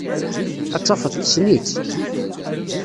Ad tafeḍ tessen-itt.